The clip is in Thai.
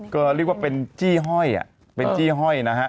ก็เรียกว่าเป็นจี้ห้อย